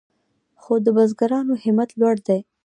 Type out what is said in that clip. خو د بزګرانو همت لوړ دی.